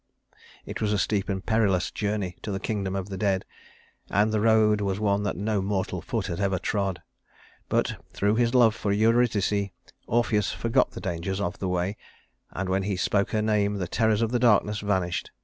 It was a steep and perilous journey to the kingdom of the dead, and the road was one that no mortal foot had ever trod; but through his love for Eurydice Orpheus forgot the dangers of the way, and when he spoke her name, the terrors of the darkness vanished.